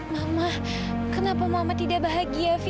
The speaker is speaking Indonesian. mama kenapa muhammad tidak bahagia fi